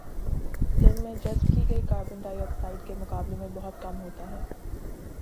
دن میں جذب کی گئی کاربن ڈائی آکسائیڈ کے مقابلے میں بہت کم ہوتا ہے